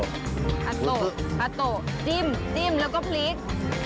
คัตโตคัตโตจิ้มจิ้มแล้วก็พลิก